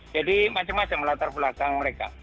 jadi macam macam latar belakang mereka